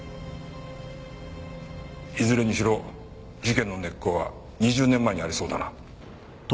いずれにしろ事件の根っこは２０年前にありそうだな。